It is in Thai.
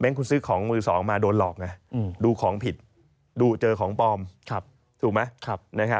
คุณซื้อของมือสองมาโดนหลอกไงดูของผิดดูเจอของปลอมถูกไหม